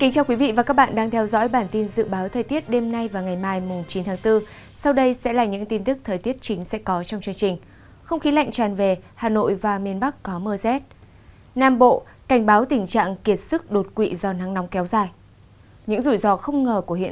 các bạn hãy đăng ký kênh để ủng hộ kênh của chúng mình nhé